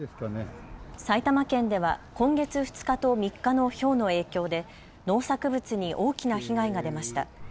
埼玉県では今月２日と３日のひょうの影響で農作物に大きな被害が出ました。